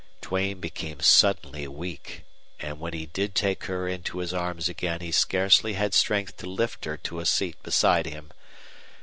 Duane became suddenly weak, and when he did take her into his arms again he scarcely had strength to lift her to a seat beside him.